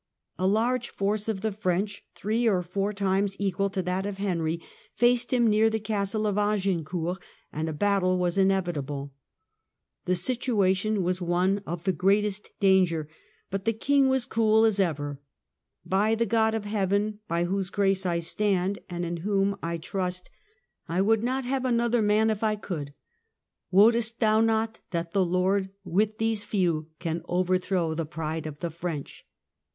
A large force of the French, three or four times equal to that of Henry, faced him near the Castle of Agincourt, and a battle was inevitable. The situation was Battle of one of the greatest danger, but the King was cool as ever 25th Oct. '" By the God of Heaven by whose grace I stand and in ^^° whom I put my trust, I would not have another man if I could. Wottest thou not that the Lord with these few can overthrow the pride of the French."